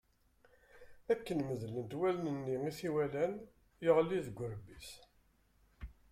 Akken medlent wallen-nni i t-iwalan, yeɣli deg urebbi-s.